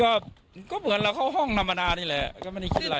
ก็เหมือนเราเข้าห้องธรรมดานี่แหละก็ไม่ได้คิดอะไร